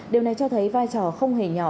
điều này cho thấy vai trò không hề nhỏ